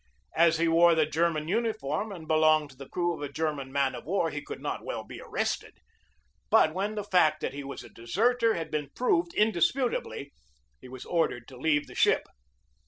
As he wore the German uniform and belonged to the crew of a German man of war, he could not well be arrested. But when the fact that he was a deserter had been proved indisputably he was or dered to leave the ship.